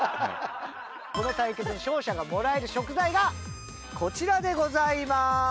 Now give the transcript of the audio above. この対決の勝者がもらえる食材がこちらでございます。